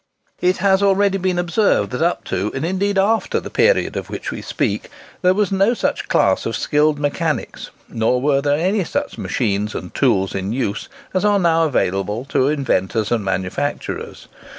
It has already been observed that up to, and indeed after, the period of which we speak, there was no such class of skilled mechanics, nor were there any such machines and tools in use, as are now available to inventors and manufacturers.